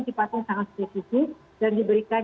sifatnya sangat spesifik dan diberikan